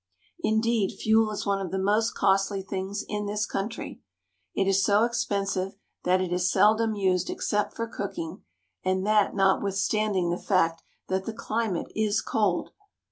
Indeed, fuel is one of the most costly things in this country. It is so expensive that it is seldom used except for cooking, and that notwithstanding the fact that the climate is cold.